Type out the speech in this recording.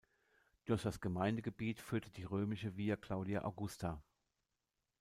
Durch das Gemeindegebiet führte die römische Via Claudia Augusta.